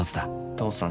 父さん